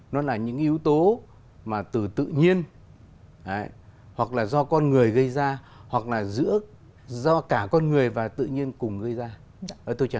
nó là những yếu tố mà từ tự nhiên hoặc là do con người gây ra hoặc là giữa do cả con người và tự nhiên cùng gây ra